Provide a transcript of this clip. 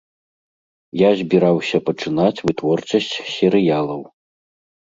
Я збіраўся пачынаць вытворчасць серыялаў.